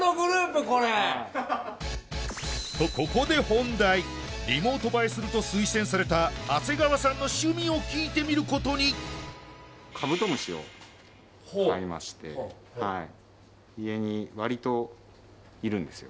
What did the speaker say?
とここで本題リモート映えすると推薦された長谷川さんの趣味を聞いてみることにカブトムシを飼いまして家にわりといるんですよ